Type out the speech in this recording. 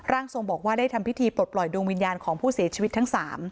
ทรงบอกว่าได้ทำพิธีปลดปล่อยดวงวิญญาณของผู้เสียชีวิตทั้ง๓